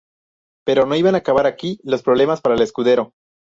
Pero no iban a acabar aquí los problemas para Escudero.